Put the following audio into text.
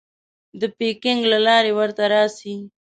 د پیکنګ له لارې ورته راسې.